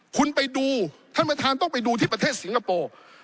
คุณไปดูท่านประธานต้องไปดูที่ประเทศสิงคโปร์